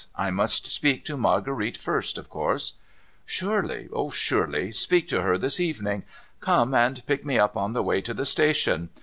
I must speak to Marguerite first, of course !'' Surely ! surely ! Speak to her this evening. Come, and pick me up on the way to the station.